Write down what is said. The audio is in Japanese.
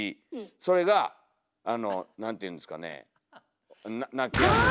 それがあの何ていうんですかね泣きやむ。